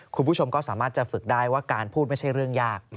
คุณผู้ชมก็สามารถจะฝึกได้ว่าการพูดไม่ใช่เรื่องยาก